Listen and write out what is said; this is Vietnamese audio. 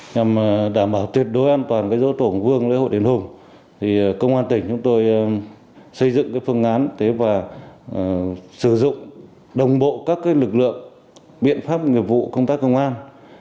nhằm đảm bảo tuyệt đối an toàn rỗ tổ hùng vương lễ hội đến hùng công an tỉnh chúng tôi xây dựng phương án và sử dụng đồng bộ các lực lượng biện pháp nhiệm vụ công tác công an